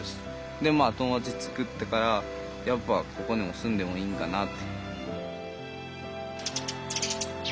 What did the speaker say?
でまあ友達つくってからやっぱここにも住んでもいいんかなって。